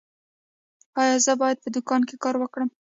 ایا زه باید په دوکان کې کار وکړم؟